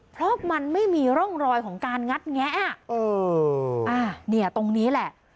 เพราะมันไม่มีร่องรอยของการงัดแงะเอออ่าเนี่ยตรงนี้แหละ